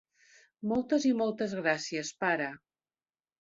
Moltes i moltes gràcies, pare!